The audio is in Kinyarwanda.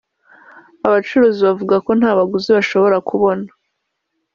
abacuruzi bavuga ko nta baguzi bashobora kubona